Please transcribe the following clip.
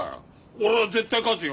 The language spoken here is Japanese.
俺は絶対勝つよ。